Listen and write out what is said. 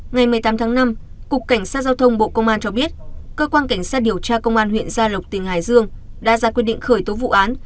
ngày một mươi tám tháng năm cục cảnh sát giao thông bộ công an cho biết cơ quan cảnh sát điều tra công an huyện gia lộc tỉnh hải dương đã ra quyết định khởi tố vụ án